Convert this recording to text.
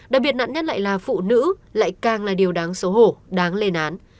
đặc biệt nặng nhất lại là phụ nữ lại càng là điều đáng xấu hổ đáng lê nán